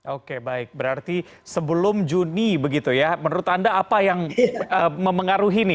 oke baik berarti sebelum juni begitu ya menurut anda apa yang mempengaruhi nih